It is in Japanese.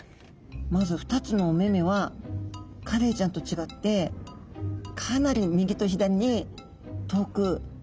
まず２つのお目々はカレイちゃんと違ってかなり右と左に遠く離れてる感じですね。